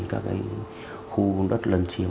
các khu đất lần chiếm